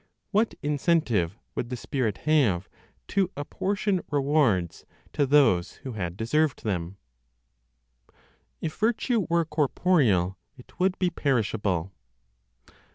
What incentive would the spirit have to apportion rewards to those who had deserved them? IF VIRTUE WERE CORPOREAL IT WOULD BE PERISHABLE.